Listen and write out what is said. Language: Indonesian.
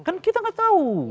kan kita nggak tahu